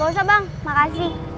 gak usah bang makasih